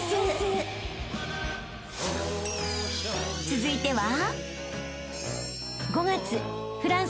［続いては］